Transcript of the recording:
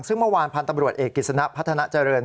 ซึ่งเมื่อวานพันธุ์ตำรวจเอกกิจสนะพัฒนาเจริญ